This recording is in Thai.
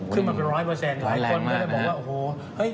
ขึ้นมาเป็น๑๐๐เปอร์เซ็นต์